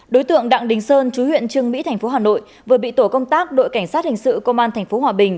đối tượng đặng đình sơn chú huyện trưng mỹ tp hà nội vừa bị tổ công tác đội cảnh sát hình sự công an tp hòa bình